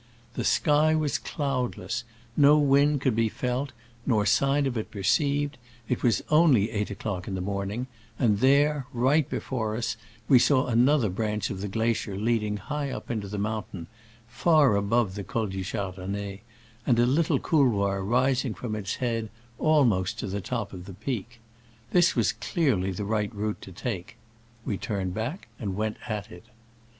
The sky was cloudless ; no wind could be felt, nor sign of it perceived ; it was only eight o'clock in the morning ; and there, right before us, we saw another branch of the glacier leading high up into the mountain — far above the Col du Chardonnet — and a little couloir rising from its head almost to the top of the peak. This was clearly the right route to take. We turned back and went at it.